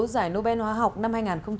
giải nobel hóa học năm hai nghìn một mươi sáu